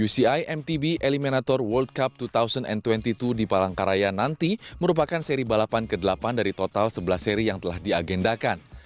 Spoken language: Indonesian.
uci mtb eliminator world cup dua ribu dua puluh dua di palangkaraya nanti merupakan seri balapan ke delapan dari total sebelas seri yang telah diagendakan